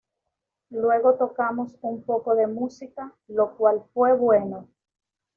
Luego tocamos un poco de música, lo cual fue bueno.